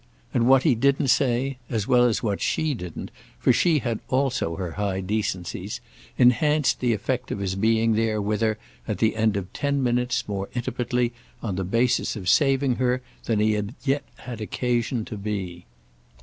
And what he didn't say—as well as what she didn't, for she had also her high decencies—enhanced the effect of his being there with her at the end of ten minutes more intimately on the basis of saving her than he had yet had occasion to be.